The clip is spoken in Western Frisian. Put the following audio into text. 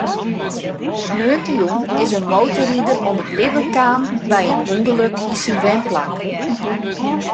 Saterdeitejûn is in motorrider om it libben kaam by in ûngelok yn syn wenplak.